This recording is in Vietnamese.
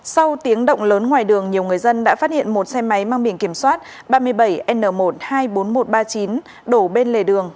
sau tiếng động lớn ngoài đường nhiều người dân đã phát hiện một xe máy mang biển kiểm soát ba mươi bảy n một trăm hai mươi bốn nghìn một trăm ba mươi chín đổ bên lề đường